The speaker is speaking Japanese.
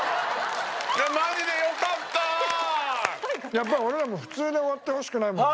やっぱり俺らも普通で終わってほしくないもんね。